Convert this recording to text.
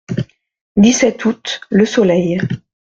dix-sept août., Le Soleil.